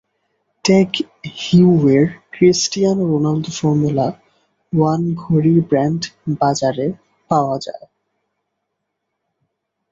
Tag Heuer Cristiano Ronaldo Formula One ঘড়ি brand বাজারে পাওয়া যায়।